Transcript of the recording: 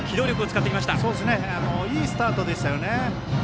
いいスタートでしたね。